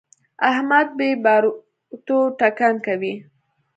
احمد بې باروتو ټکان کوي.